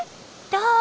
どう？